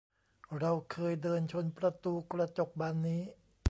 เราเคยเดินชนประตูกระจกบานนี้